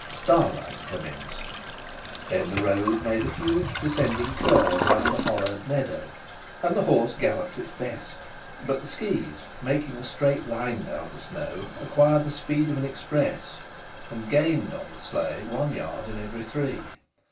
Starlight commenced. Then the road made a huge descending curve round a hollowed meadow, and the horse galloped its best. But the skis, making a straight line down the snow, acquired the speed of an express, and gained on the sleigh one yard in every three.